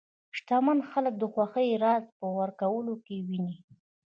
شتمن خلک د خوښۍ راز په ورکولو کې ویني.